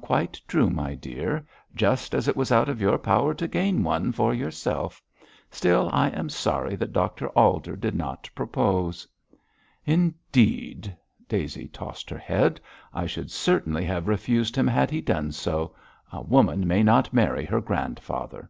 'Quite true, my dear; just as it was out of your power to gain one for yourself. Still, I am sorry that Dr Alder did not propose.' 'Indeed!' Daisy tossed her head. 'I should certainly have refused him had he done so. A woman may not marry her grandfather.'